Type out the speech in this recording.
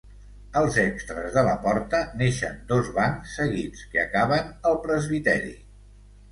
Als extres de la porta neixen dos bancs seguits que acaben al presbiteri.